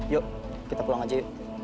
yuk kita pulang saja